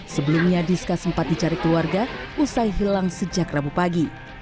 sebelumnya diska sempat dicari keluarga usai hilang sejak rabu pagi